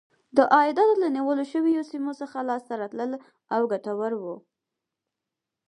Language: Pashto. دا عایدات له نیول شویو سیمو څخه لاسته راتلل او ګټور و.